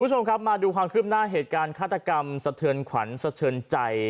คุณผู้ชมครับมาดูความคืบหน้าเหตุการณ์ฆาตกรรมสะเทือนขวัญสะเทินใจ